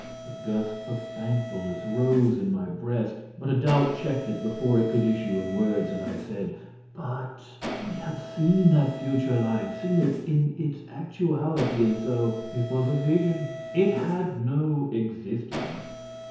A gust of thankfulness rose in my breast, but a doubt checked it before it could issue in words, and I said, "But but we have seen that future life seen it in its actuality, and so " "It was a vision it had no existence."